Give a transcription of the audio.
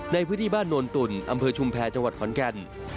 ในพื้นที่บ้านโนนตุ่นอำเภอชุมแพรจังหวัดขอนแก่น